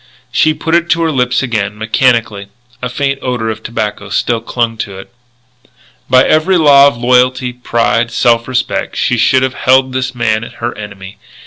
She put it to her lips again, mechanically. A faint odour of tobacco still clung to it. By every law of loyalty, pride, self respect, she should have held this man her enemy.